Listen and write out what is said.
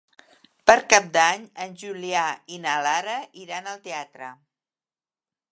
Per Cap d'Any en Julià i na Lara iran al teatre.